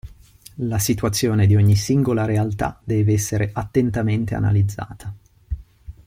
La situazione di ogni singola realtà deve essere attentamente analizzata.